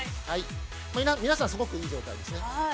皆さんすごくいい状態ですね。